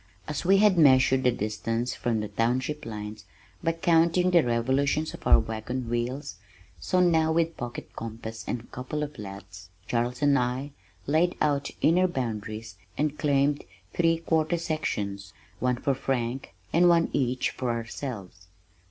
As we had measured the distance from the township lines by counting the revolutions of our wagon wheels, so now with pocket compass and a couple of laths, Charles and I laid out inner boundaries and claimed three quarter sections, one for Frank and one each for ourselves.